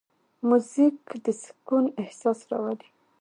موزیک د سکون احساس راولي.